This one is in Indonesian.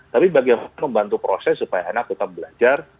tapi bagaimana membantu proses supaya anak tetap belajar